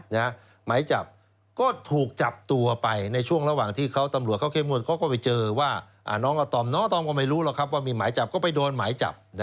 หมายจับก็ถูกจับตัวไปในช่วงระหว่างที่เขาตำรวจเขาเข้มงวดเขาก็ไปเจอว่าน้องอาตอมน้องตอมก็ไม่รู้หรอกครับว่ามีหมายจับก็ไปโดนหมายจับ